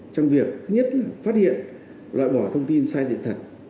trong việc thứ nhất là phát hiện loại bỏ thông tin sai sự thật